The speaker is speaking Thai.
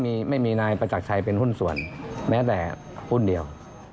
ไม่มีไม่มีนายประจักรชัยเป็นหุ้นส่วนแม้แต่หุ้นเดียว